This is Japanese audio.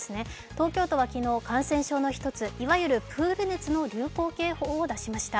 東京都は昨日、感染症の一つプール熱の流行警報を出しました。